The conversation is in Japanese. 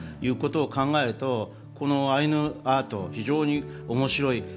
それを考えると、このアイヌアートを非常に面白い。